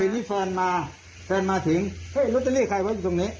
นี่แฟนมาแฟนมาถึงเฮ้ยลอตเตอรี่ใครไว้อยู่ตรงนี้